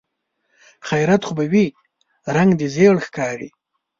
خيرت خو به وي؟ رنګ دې ژېړ ښکاري.